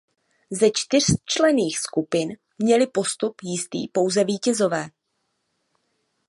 Ze čtyřčlenných skupin měli postup jistý pouze vítězové.